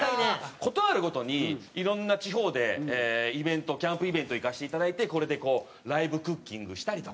事あるごとに色んな地方でイベントキャンプイベント行かせて頂いてこれでライブクッキングしたりとか。